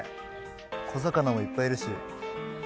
小魚もいっぱいいるし。